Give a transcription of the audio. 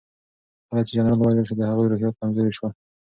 کله چې جنرال ووژل شو د هغوی روحيات کمزوري شول.